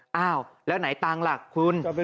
เย้าแล้วไหนตังร่ะคุณ